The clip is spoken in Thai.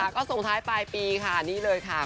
ก็ส่งท้ายปลายปีค่ะนี่เลยค่ะ